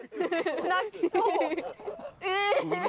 え！